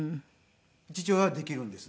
父親はできるんですね。